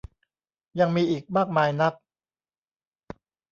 ยังมีอีกมากมายนัก